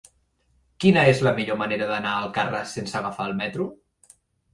Quina és la millor manera d'anar a Alcarràs sense agafar el metro?